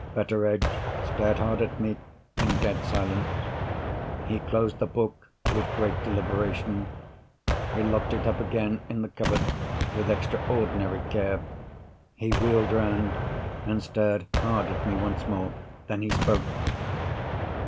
Betteredge stared hard at me, in dead silence. He closed the book with great deliberation; he locked it up again in the cupboard with extraordinary care; he wheeled round, and stared hard at me once more. Then he spoke.